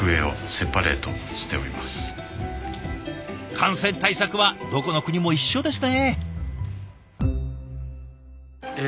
感染対策はどこの国も一緒ですね。